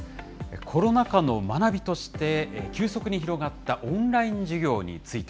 コロナ禍の学びとして、急速に広がったオンライン授業について。